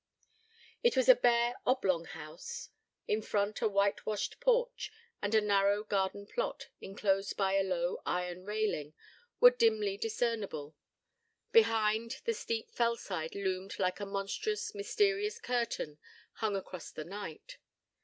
It was a bare, oblong house. In front, a whitewashed porch, and a narrow garden plot, enclosed by a low iron railing, were dimly discernible: behind, the steep fell side loomed like a monstrous, mysterious curtain hung across the night.